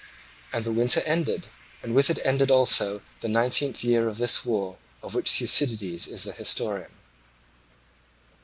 And the winter ended, and with it ended also the nineteenth year of this war of which Thucydides is the historian.